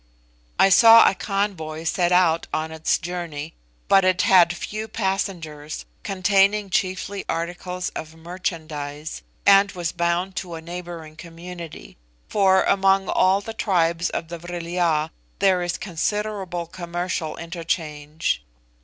I saw a convoy set out on its journey, but it had few passengers, containing chiefly articles of merchandise, and was bound to a neighbouring community; for among all the tribes of the Vril ya there is considerable commercial interchange.